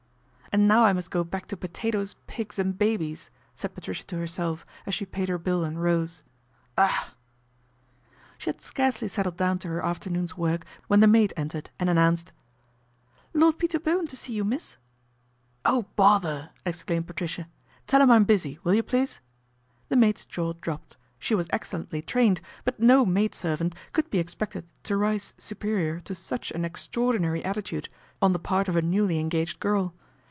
" And now I must go back to potatoes, pigs, and babies," said Patricia to herself as she paid her bill and rose. " Ugh !" She had scarcely settled down to her after noon's work when the maid entered and an nounced, " Lord Peter Bowen to see you, miss." "Oh bother!" exclaimed Patricia. "Tell him I'm busy, will you please?" The maid's jaw dropped; she was excellently trained, but no maid servant could be expected to rise superior to such an extraordinary attitude on the part of a newly engaged girl.